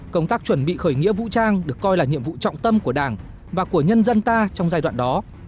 công tác chuẩn bị khởi nghĩa vũ trang được coi là nhiệm vụ trọng tâm của đảng và của nhân dân ta trong giai đoạn đó